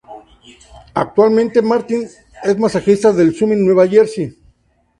Actualmente, Martin es masajista en Summit, Nueva Jersey.